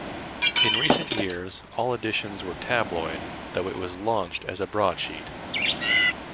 In recent years, all editions were tabloid though it was launched as a broadsheet.